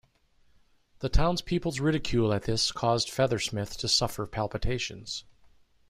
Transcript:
The townspeople's ridicule at this causes Feathersmith to suffer palpitations.